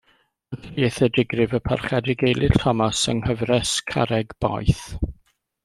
Anturiaethau digrif y Parchedig Eilir Thomas, yng Nghyfres Carreg Boeth.